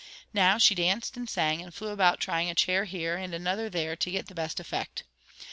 Now she danced and sang, and flew about trying a chair here, and another there, to get the best effect.